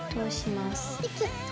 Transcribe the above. でキュッと。